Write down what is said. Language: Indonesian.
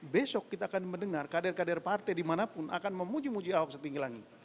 besok kita akan mendengar kader kader partai dimanapun akan memuji muji ahok setinggi langit